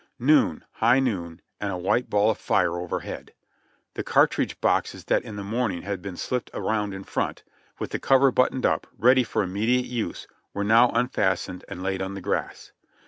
Noon, high noon ; and a white ball of fire overhead. The car tridge boxes that in the morning had been slipped around in front, with the cover buttoned up, ready for immediate use, were now unfastened and laid on the grass.